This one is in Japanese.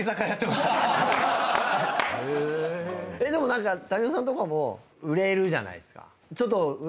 でも民生さんとかも売れるじゃないですか。